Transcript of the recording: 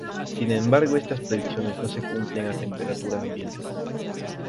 Sin embargo estas predicciones no se cumplen a temperatura ambiente.